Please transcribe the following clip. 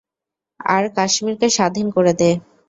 আর কাশ্মীরকে স্বাধীন করে দে।